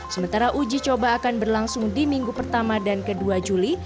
sementara uji coba akan berlangsung di minggu pertama dan kedua juli